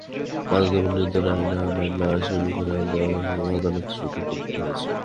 মাদকদ্রব্য নিয়ন্ত্রণ আইনের মামলার আসামি করে তাঁকে আদালতে সোপর্দ করা হয়েছে।